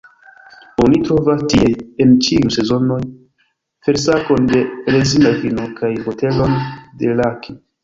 Oni trovas tie, en ĉiuj sezonoj, felsakon da rezina vino, kaj botelon da rhaki.